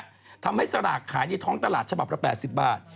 แล้วมันทำให้สลากขายในท้องตลาด๘๐บาท